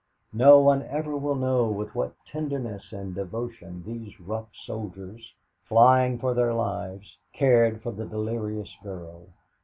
No one ever will know with what tenderness and devotion these rough soldiers, flying for their lives, cared for the delirious girl.